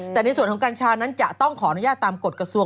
แต่ในส่วนของกัญชานั้นจะต้องขออนุญาตตามกฎกระทรวง